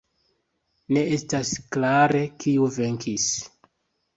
Ne estas klare kiu venkis.